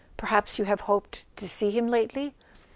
Perhaps you have hoped to see him lately?